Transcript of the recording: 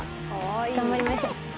頑張りましょう。